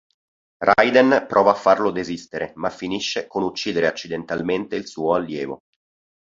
Raiden prova a farlo desistere, ma finisce con uccidere accidentalmente il suo allievo.